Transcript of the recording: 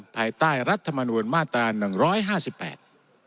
ภายใต้รัฐมนูลมาตราหนึ่งร้อยห้าสิบแปด